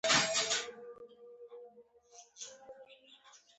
هر حکومت غواړي چې خپل خلک خوشحاله وساتي.